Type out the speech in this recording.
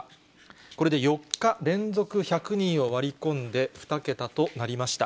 これで４日連続１００人を割り込んで、２桁となりました。